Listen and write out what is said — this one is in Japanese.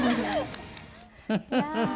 フフフフ！